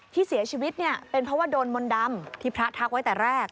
ที่เสียชีวิตเนี่ยเป็นเพราะว่าโดนมนต์ดำที่พระทักไว้แต่แรก